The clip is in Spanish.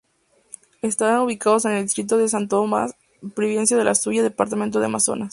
Están ubicados en el distrito de Santo Tomás, provincia de Luya, departamento de Amazonas.